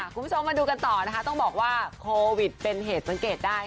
คุณผู้ชมมาดูกันต่อนะคะต้องบอกว่าโควิดเป็นเหตุสังเกตได้